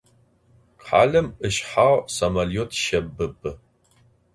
Khalem ışshağ samolöt şebıbı.